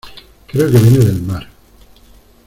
creo que viene del mar.